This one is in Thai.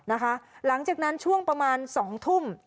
หลังจากนั้นช่วงประมาณ๒ทุ่ม